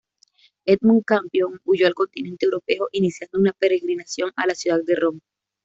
Edmund Campion huyó al continente europeo, iniciando una peregrinación a la ciudad de Roma.